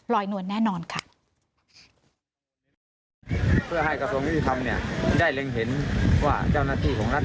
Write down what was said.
นวลแน่นอนค่ะ